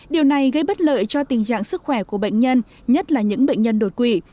điều này gây bất lợi cho tình trạng sức khỏe của bệnh nhân nhất là những bệnh nhân đột quỷ